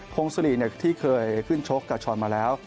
พงศิริที่เคยขึ้นชกกับช้อนมาแล้ว